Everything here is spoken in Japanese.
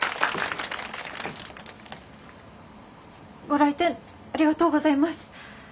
ご来店ありがとうございます。